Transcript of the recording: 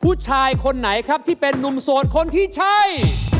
ผู้ชายคนไหนครับที่เป็นนุ่มโสดคนที่ใช่